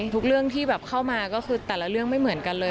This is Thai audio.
เรื่องที่แบบเข้ามาก็คือแต่ละเรื่องไม่เหมือนกันเลย